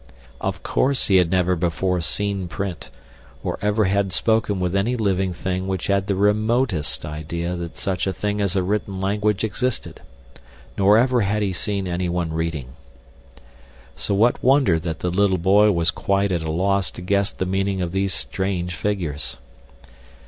Of course he had never before seen print, or ever had spoken with any living thing which had the remotest idea that such a thing as a written language existed, nor ever had he seen anyone reading. So what wonder that the little boy was quite at a loss to guess the meaning of these strange figures.